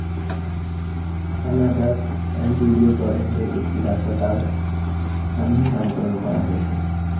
কানাডার অন্টারিওর টরেন্টোর একটি রাস্তা তার সম্মানে নামকরণ করা হয়েছে।